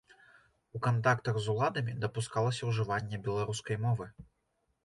У кантактах з уладамі дапускалася ўжыванне беларускай мовы.